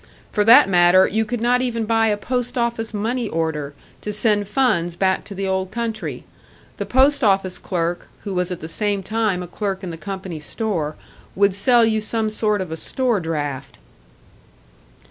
For that matter, you could not even buy a post office money order, to send funds back to the old country; the post office clerk, who was at the same time a clerk in the company store, would sell you some sort of a store draft.